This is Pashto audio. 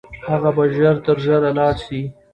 هغه به ژر تر ژره لاړ سي.